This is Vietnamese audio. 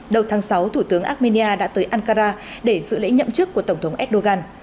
đầu tháng sáu thủ tướng armenia đã tới ankara để dự lễ nhậm chức của tổng thống erdogan